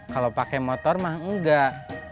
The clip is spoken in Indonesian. kalau pakai motor mah enggak